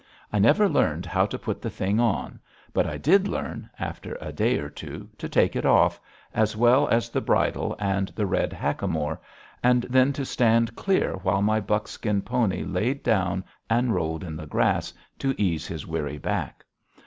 I never learned how to put the thing on, but I did learn, after a day or two, to take it off, as well as the bridle and the red hackamore, and then to stand clear while my buckskin pony lay down and rolled in the grass to ease his weary back.